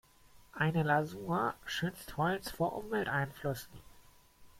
Eine Lasur schützt Holz vor Umwelteinflüssen.